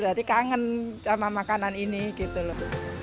jadi kangen sama makanan ini gitu loh